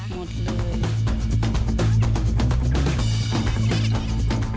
หมดเลย